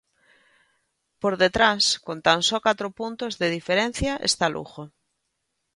Por detrás con tan só catro puntos de diferencia está Lugo.